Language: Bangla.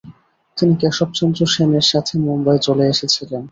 তিনি কেশব চন্দ্র সেনের সাথে মুম্বই চলে এসেছিলেন।